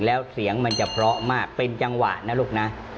แล้วเสียงมันจะเพราะมากเป็นจังหวะนะลูกนะ